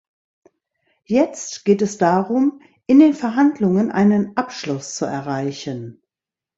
Jetzt geht es darum, in den Verhandlungen einen Abschluss zu erreichen.